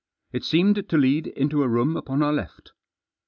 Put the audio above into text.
It seemed to lead into a room upon our left.